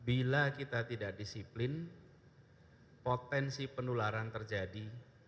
bila kita tidak disiplin potensi penularan terjadi